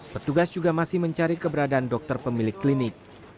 petugas juga masih mencari keberadaan dokter pemilik klinik